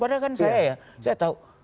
padahal kan saya ya saya tahu